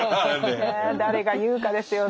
誰が言うかですよね。